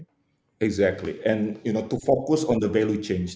tepat sekali dan untuk fokus pada perubahan nilai